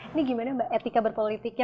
ini gimana mbak etika berpolitik nya